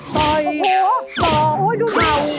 ป่อย๒โอ้โฮดูเหล่า